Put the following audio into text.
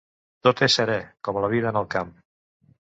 Tot és serè, com la vida en el camp.